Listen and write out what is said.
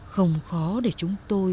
không khó để chúng tôi